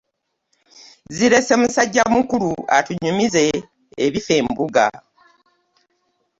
Zireese musajja mukulu atunyumize ebifa embuga.